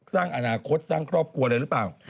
สร้างอนาคตสร้างครอบครัวเลยหรือเปล่า